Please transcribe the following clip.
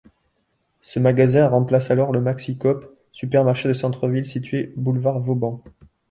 Ce magasin remplace alors le Maxicoop, supermarché de centre-ville situé boulevard Vauban.